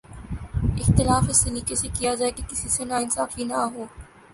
اختلاف اس سلیقے سے کیا جائے کہ کسی سے ناانصافی نہ ہو۔